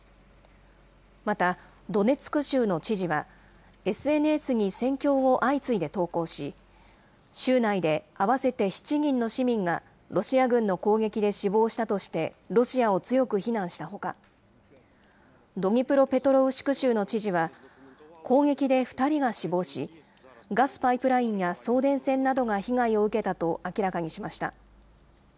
またドネツク州の知事は、ＳＮＳに戦況を相次いで投稿し、州内で合わせて７人の市民が、ロシア軍の攻撃で死亡したとして、ロシアを強く非難したほか、ドニプロペトロウシク州の知事は、攻撃で２人が死亡し、ガスパイプラインや送電線などが被害を受けたと明らかにしました。